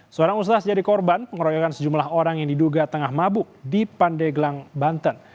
seorang ustaz jadi korban pengeroyokan sejumlah orang yang diduga tengah mabuk di pandeglang banten